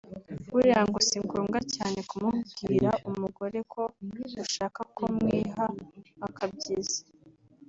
Buriya ngo singombwa cyane kumubwira umugore ko ushaka ko mwiha akabyizi